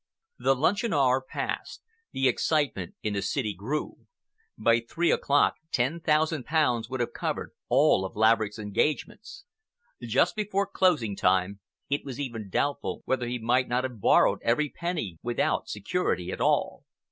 The luncheon hour passed. The excitement in the city grew. By three o'clock, ten thousand pounds would have covered all of Laverick's engagements. Just before closing time, it was even doubtful whether he might not have borrowed every penny without security at all.